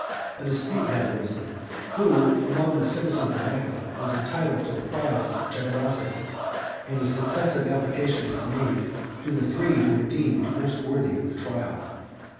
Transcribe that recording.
A dispute had arisen, who, among the citizens of Mecca, was entitled to the prize of generosity; and a successive application was made to the three who were deemed most worthy of the trial.